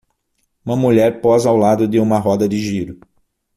Uma mulher posa ao lado de uma roda de giro.